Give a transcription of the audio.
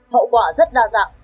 hậu quả rất đa dạng